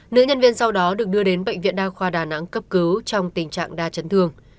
nữ nhân viên sau đó được đưa đến bệnh viện đa khoa đà nẵng cấp cứu trong tình trạng đa chấn thương